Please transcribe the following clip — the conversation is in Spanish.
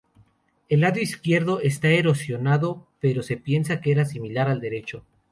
El lado izquierdo está erosionado pero se piensa era similar al derecho.